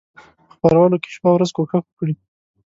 په خپرولو کې شپه او ورځ کوښښ وکړي.